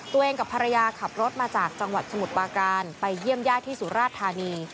กับภรรยาขับรถมาจากจังหวัดสมุทรปาการไปเยี่ยมญาติที่สุราชธานี